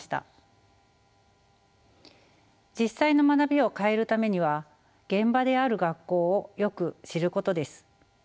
実際の学びを変えるためには現場である学校をよく知ることです。